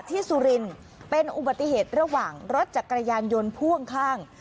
ที่สุรินทร์เป็นอุบัติเหตุระหว่างรถจากกระยานยนต์ผู้ข้างข้าง